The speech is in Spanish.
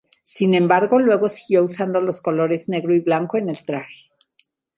Sin embargo, luego siguió usando los colores negro y blanco en el traje.